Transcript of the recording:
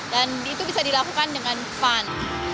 dan itu bisa dilakukan dengan fun